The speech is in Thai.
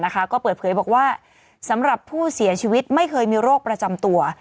ก็เปิดเผยบอกว่าสำหรับผู้เสียชีวิตไม่เคยมีโรคประจำตัว